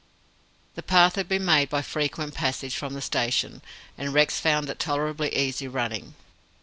The path had been made by frequent passage from the station, and Rex found it tolerably easy running.